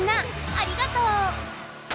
ありがとう！